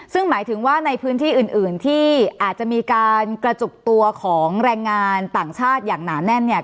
ซึ่งหมายถึงว่าในพื้นที่อื่นที่อาจจะมีการกระจุกตัวของแรงงานต่างชาติอย่างหนาแน่นเนี่ย